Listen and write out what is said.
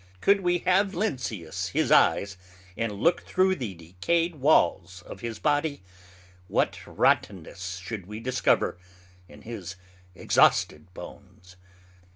Could we have Lynceus his eyes, and look through the decayed walls of his Body, what rottenness should we discover in his exhausted Bones?